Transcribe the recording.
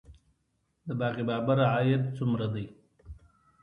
د باغ بابر عاید څومره دی؟